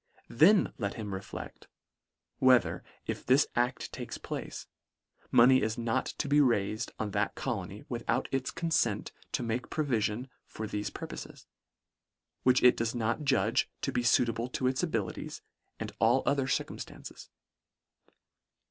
Then let him reflect — whether, if this act takes place, money is not to be raifed on that colony without its confent to make provilion for thefe purpofes, which it does not judge to be fuitable to its abilities, and all other cir cumftances.